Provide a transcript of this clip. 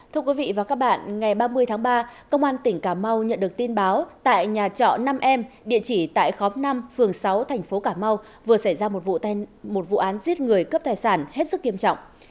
thưa quý vị và các bạn ngày ba mươi tháng ba công an tỉnh cà mau nhận được tin báo tại nhà trọ năm em địa chỉ tại khóm năm phường sáu thành phố cà mau vừa xảy ra một vụ án giết người cướp tài sản hết sức kiêm trọng